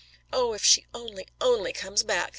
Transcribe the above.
"Oh, if she only, only comes back!"